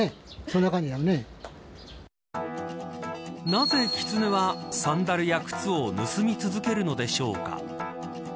なぜ、キツネはサンダルや靴を盗み続けるのでしょうか。